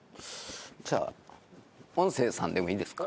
じゃあ音声さんでもいいですか？